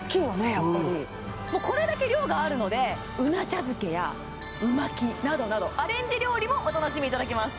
やっぱりこれだけ量があるのでうな茶漬けやう巻きなどなどアレンジ料理もお楽しみいただけます